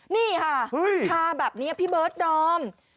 นี่ค่ะทาแบบนี้พี่เบิร์ดดอม